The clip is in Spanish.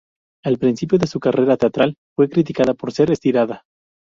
Al principio de su carrera teatral, fue criticada por ser estirada.